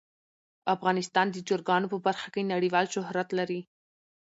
افغانستان د چرګانو په برخه کې نړیوال شهرت لري.